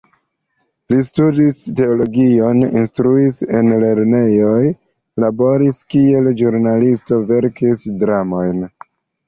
Li studis teologion, instruis en lernejoj, laboris kiel ĵurnalisto, verkis dramojn.